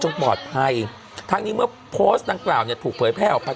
ปลอดภัยทั้งนี้เมื่อโพสต์ดังกล่าวเนี่ยถูกเผยแพร่ออกไป